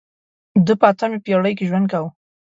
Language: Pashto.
ده په اتمې پېړۍ کې ژوند کاوه.